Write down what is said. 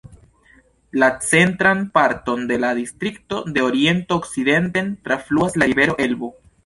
La centran parton de la distrikto de oriento okcidenten trafluas la rivero Elbo.